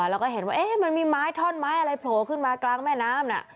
แล้วก็เห็นว่ามันมีไม้ท่อนไม้อะไรโผล่ขึ้นมากลางแม่น้ำน่ะ